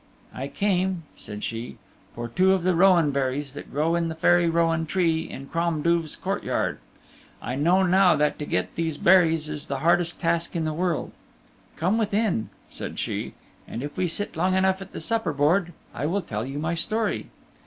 "I came," said she, "for two of the rowan berries that grow on the Fairy Rowan Tree in Crom Duv's court yard. I know now that to get these berries is the hardest task in the world. Come within," said she, "and if we sit long enough at the supper board I will tell you my story."